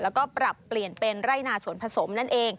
แล้วก็ปรับเปลี่ยนเป็นไร่นาสวนผสมนั่นเอง